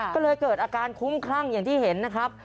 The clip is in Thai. ก็เลยเกิดอาการคุ้มคลั่งอย่างที่เห็นนะครับ